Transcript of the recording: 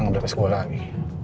nggak berlepas gue lagi